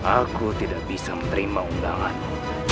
aku tidak bisa menerima undangan